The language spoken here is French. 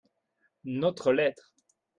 Notre lettre.